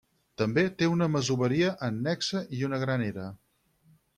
També té una masoveria annexa i una gran era.